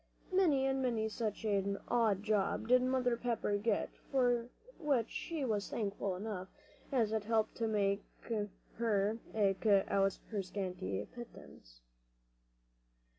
Many and many such an odd job did Mother Pepper get, for which she was thankful enough, as it helped her to eke out her scanty pittance.